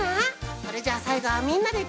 それじゃさいごはみんなでいくよ！